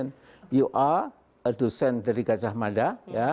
anda adalah dosen dari gajah mada